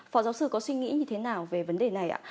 phó giáo sư có suy nghĩ như thế nào về vấn đề này ạ